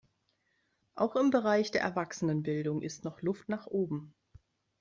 Auch im Bereich der Erwachsenenbildung ist noch Luft nach oben.